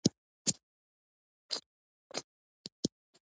دین د شریعت په قالب کې تاسیس شوی.